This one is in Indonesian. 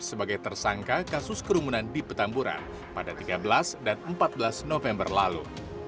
sebagai tersangka kasus kerumunan di petamburan pada tiga belas dan empat belas november lalu